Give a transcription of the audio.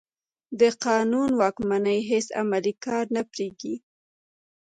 د قانون واکمني هېڅ عملي کار نه برېښي.